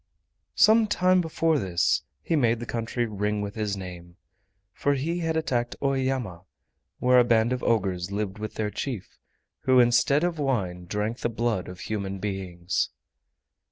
Some time before this he made the country ring with his name, for he had attacked Oeyama, where a band of ogres lived with their chief, who instead of wine drank the blood of human beings.